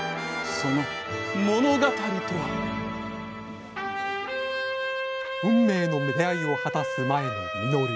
その物語とは運命の出会いを果たす前の實。